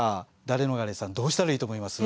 ダレノガレさんどうしたらいいと思います？